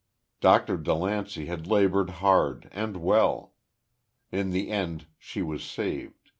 Dr. DeLancey had labored hard, and well. In the end she was saved.